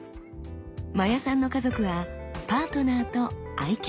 真矢さんの家族はパートナーと愛犬。